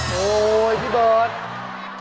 โอ้โหพี่เบิร์ต